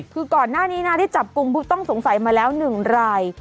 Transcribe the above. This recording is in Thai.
คือก่อนหน้านี้หน้าที่จับกุงต้องสงสัยมาแล้ว๑ราย